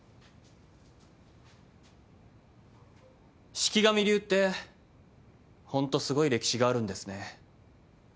四鬼神流ってホントすごい歴史があるんですね。